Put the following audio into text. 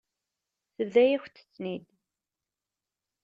Tebḍa-yakent-ten-id.